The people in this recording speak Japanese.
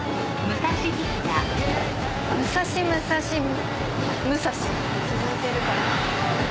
武蔵武蔵武蔵！って続いてるから。